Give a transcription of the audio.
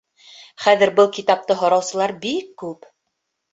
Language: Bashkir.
Хәҙер был китапты һораусылар күп